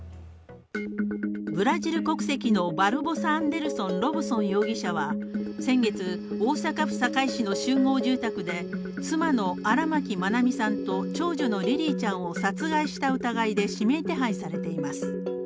ブラジル国籍のバルボサ・アンデルソン・ロブソン容疑者は先月大阪府堺市の集合住宅で、妻の荒牧愛美さんと長女のリリィちゃんを殺害した疑いで指名手配されています。